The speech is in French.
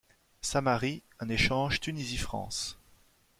Samary, un échange Tunisie-France.